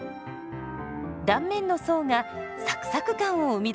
断面の層がサクサク感を生み出します。